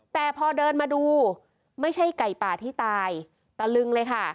แต่พอเดินมาดูไม่ใช่ไก่ป่าที่ตายตะลึงเลยค่ะ